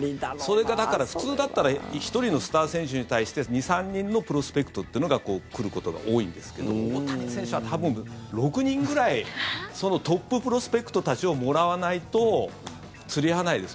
それがだから普通だったら１人のスター選手に対して２３人のプロスペクトっていうのが来ることが多いんですけど大谷選手は多分６人ぐらいトッププロスペクトたちをもらわないと釣り合わないです。